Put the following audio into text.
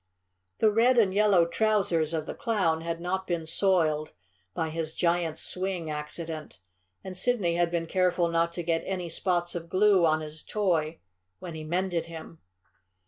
The red and yellow trousers of the Clown had not been soiled by his giant's swing accident, and Sidney had been careful not to get any spots of glue on his toy when he mended him.